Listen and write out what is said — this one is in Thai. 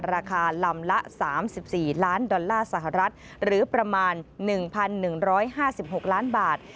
ราคาลำละ๓๔ล้านดอลลาร์สหรัฐหรือประมาณ๑๑๕๖ล้านบาท